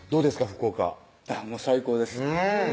福岡最高です